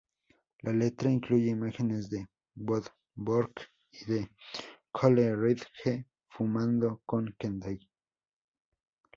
La letra incluye imágenes de Wordsworth y de Coleridge fumando con Kendal.